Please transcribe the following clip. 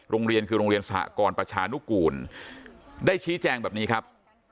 โรงเรียนคือโรงเรียนสหกรประชานุกูลได้ชี้แจงแบบนี้ครับ